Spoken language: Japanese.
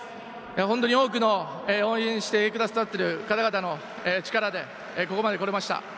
本当に多くの応援してくださっている方々の力でここまで来られました。